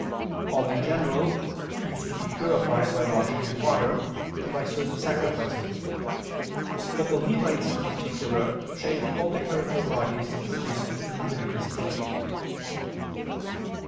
All in general used to be purified by washing in water, and by certain sacrifices; but the Levites in particular shaved all the hair of their bodies, as stated in Lev. 8 (cf. Num. 8).